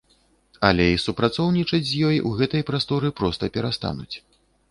Але і супрацоўнічаць з ёй у гэтай прасторы проста перастануць.